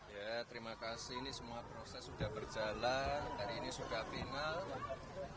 hari ini sudah final